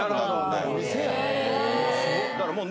だからもう。